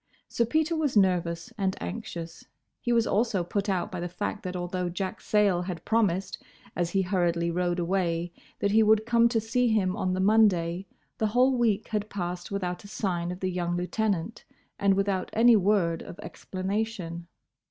Sir Peter was nervous and anxious. He was also put out by the fact that although Jack Sayle had promised as he hurriedly rowed away, that he would come to see him on the Monday, the whole week had passed without a sign of the young lieutenant, and without any word of explanation.